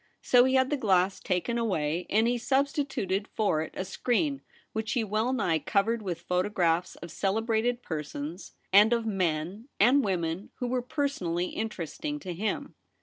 So he had the glass taken away, and he substituted for it a screen which he well nigh covered with photographs of celebrated persons, and of men and women who were personally interesting to him.